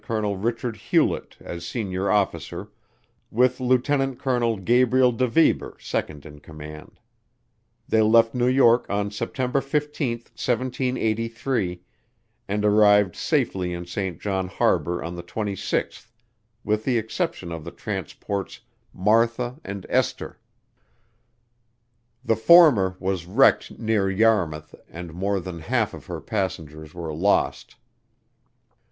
Col. Richard Hewlett as senior officer, with Lieut. Col. Gabriel DeVeber second in command. They left New York on September 15, 1783, and arrived safely in St. John harbour on the 26th, with the exception of the transports "Martha" and "Esther." The former was wrecked near Yarmouth and more than half of her passengers were lost.